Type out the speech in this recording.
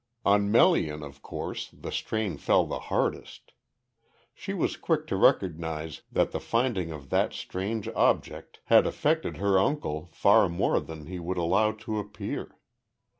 On Melian, of course, the strain fell the hardest. She was quick to recognise that the finding of that strange object had affected her uncle far more than he would allow to appear.